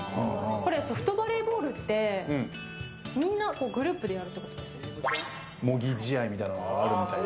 これ、ソフトバレーボールってみんな、グループでやるのかな。